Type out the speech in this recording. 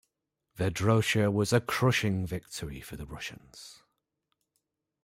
Vedrosha was a crushing victory for the Russians.